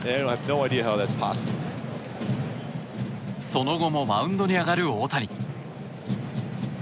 その後もマウンドに上がる大谷。